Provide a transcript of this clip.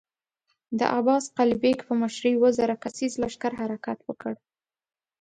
د عباس قلي بېګ په مشری اووه زره کسيز لښکر حرکت وکړ.